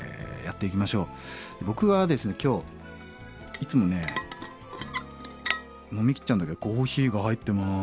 いつもね飲みきっちゃうんだけどコーヒーが入ってます。